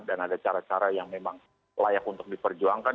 dan ada cara cara yang memang layak untuk diperjuangkan